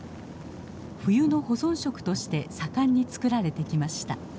冬の保存食として盛んに作られてきました。